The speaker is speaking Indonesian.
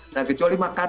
nah kecuali makanan